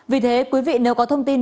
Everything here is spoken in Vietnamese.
vì thế quý vị nếu có thông tin